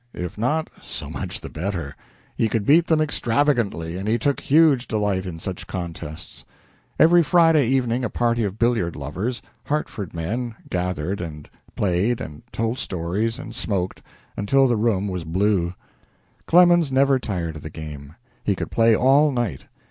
If not, so much the better; he could beat them extravagantly, and he took huge delight in such contests. Every Friday evening a party of billiard lovers Hartford men gathered and played, and told stories, and smoked, until the room was blue. Clemens never tired of the game. He could play all night.